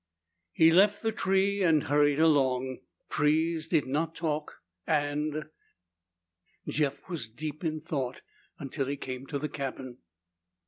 He left the tree and hurried along. Trees did not talk and Jeff was deep in thought until he came to the cabin.